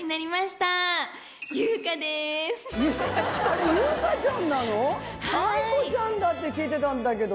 ａｉｋｏちゃんだって聞いてたんだけど。